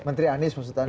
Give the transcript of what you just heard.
menteri anies maksudnya